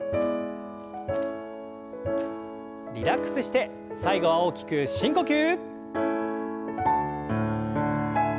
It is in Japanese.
リラックスして最後は大きく深呼吸。